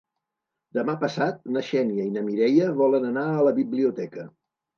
Demà passat na Xènia i na Mireia volen anar a la biblioteca.